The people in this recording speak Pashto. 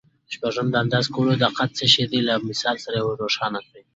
شپږم: د اندازه کولو دقت څه شی دی؟ له مثال سره یې روښانه کړئ.